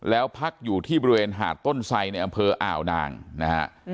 แล้วพักอยู่ที่บริเวณหาดต้นไสในอำเภออ่าวนางนะฮะ